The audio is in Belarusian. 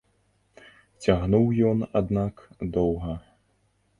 Цягнуў ён, аднак, доўга.